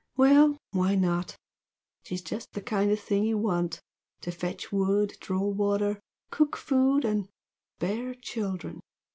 Well, why not? She's just the kind of thing you want to fetch wood, draw water, cook food, and bear children!